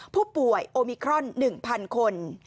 ผู้ป่วยโอมิครอน๑๐๐คน